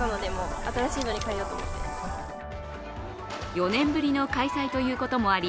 ４年ぶりの開催ということもあり